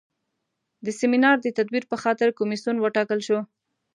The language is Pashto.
د سیمینار د تدویر په خاطر کمیسیون وټاکل شو.